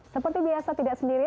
seperti biasa tidak sendiri